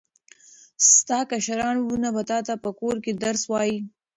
ستا کشران وروڼه به تاته په کور کې درس ووایي.